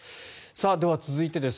では、続いてです。